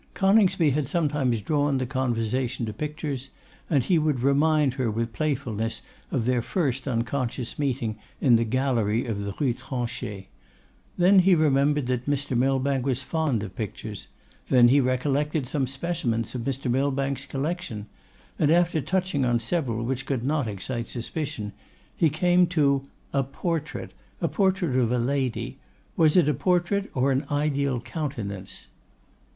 Coningsby had sometimes drawn the conversation to pictures, and he would remind her with playfulness of their first unconscious meeting in the gallery of the Rue Tronchet; then he remembered that Mr. Millbank was fond of pictures; then he recollected some specimens of Mr. Millbank's collection, and after touching on several which could not excite suspicion, he came to 'a portrait, a portrait of a lady; was it a portrait or an ideal countenance?